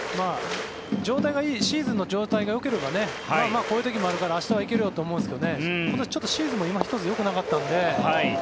シーズンの状態がよければこういう時もあるから明日はいけるよと思うんですけど今年シーズンも今ひとつよくなかったので。